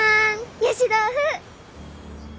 ゆし豆腐！